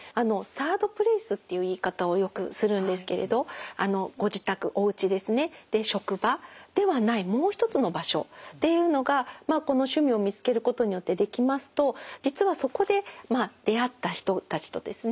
サード・プレイスっていう言い方をよくするんですけれどっていうのがこの趣味を見つけることによってできますと実はそこで出会った人たちとですね